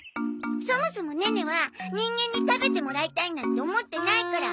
そもそもネネは人間に食べてもらいたいなんて思ってないから。